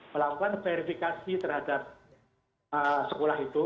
melakukan verifikasi terhadap sekolah itu